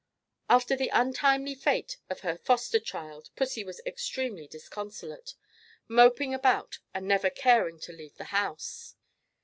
After the untimely fate of her foster child, pussy was extremely disconsolate, moping about and never caring to leave the house.